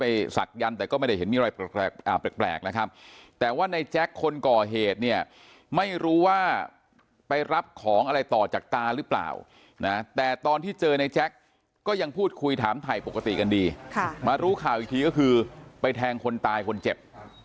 นะครับแต่ว่าในแจ๊คคนก่อเหตุเนี่ยไม่รู้ว่าไปรับของอะไรต่อจากตาหรือเปล่านะแต่ตอนที่เจอในแจ๊คก็ยังพูดคุยถามไทยปกติกันดีมารู้ข่าวอีกทีก็คือไปแทงคนตายคนเจ็บ